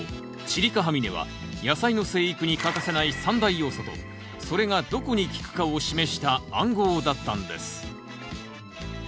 チリカハミネは野菜の生育に欠かせない３大要素とそれがどこに効くかを示した暗号だったんです。